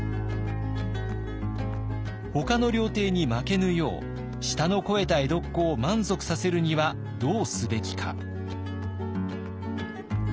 ほかの料亭に負けぬよう舌の肥えた江戸っ子を満足させるにはどうすべきか。